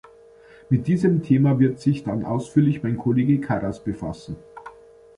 Mit diesem Thema wird sich dann ausführlich mein Kollege Karas befassen.